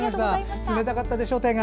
冷たかったでしょ、手が。